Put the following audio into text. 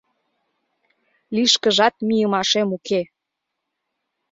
— Лишкыжат мийымашем уке.